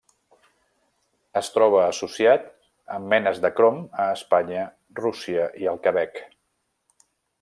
Es troba associat amb menes de crom a Espanya, Rússia i el Quebec.